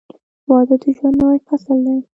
• واده د ژوند نوی فصل دی.